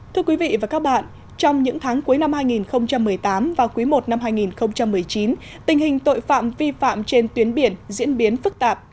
thưa quý vị và các bạn trong những tháng cuối năm hai nghìn một mươi tám và quý i năm hai nghìn một mươi chín tình hình tội phạm vi phạm trên tuyến biển diễn biến phức tạp